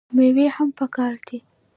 میوې هم پکار دي.